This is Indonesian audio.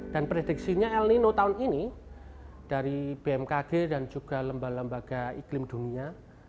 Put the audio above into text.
dan prediksinya el nino tahun ini dari bmkg dan juga lembaga lembaga iklim dunia